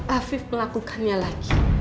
afif melakukannya lagi